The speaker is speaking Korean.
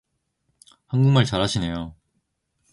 한국말 잘 하시네요